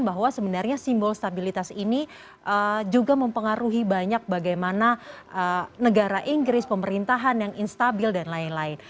bahwa sebenarnya simbol stabilitas ini juga mempengaruhi banyak bagaimana negara inggris pemerintahan yang instabil dan lain lain